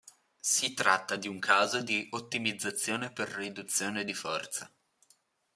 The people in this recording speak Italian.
Si tratta di un caso di ottimizzazione per riduzione di forza.